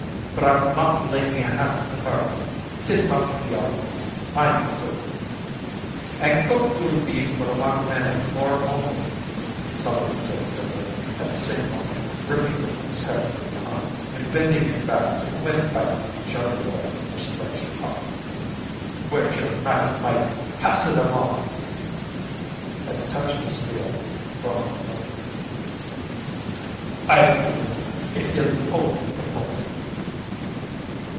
But I'll not lay me hand to murder. 'Tis not in the articles. I'm the cook " "An' cook ye'll be for wan minute more only," Sullivan said grimly, at the same moment gripping the cook's head from behind and bending it back till the windpipe and jugular were stretched taut. "Where's yer knife, Mike? Pass it along." At the touch of the steel, Gorman whimpered. "I'll do ut, if yez'll hold the b'y."